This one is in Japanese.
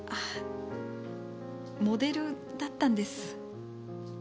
モデルだったんです。